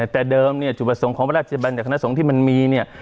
แต่เดิมจุบัสงค์ของพระราชบัญญัติขณะสงฆ์ที่มันมี